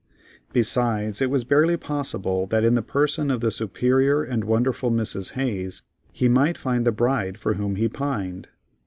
Besides, it was barely possible that in the person of the superior and wonderful Mrs. Hayes, he might find the bride for whom he pined.